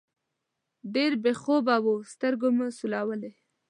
ډېر بې خوبه وو، سترګې مو سولولې.